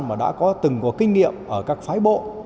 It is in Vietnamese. mà đã có từng có kinh nghiệm ở các phái bộ